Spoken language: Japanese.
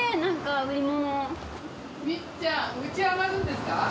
みっちゃん家上がるんですか？